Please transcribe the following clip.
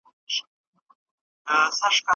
چرگه زما ده، هگۍ د بل کره اچوي.